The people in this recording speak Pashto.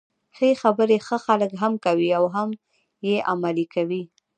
ښې خبري ښه خلک هم کوي او هم يې عملي کوي.